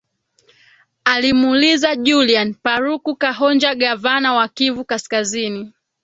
alimuuliza julian paruku kahonja gavana wa kivu kaskazini